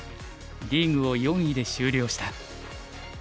リーグを４位で終了した。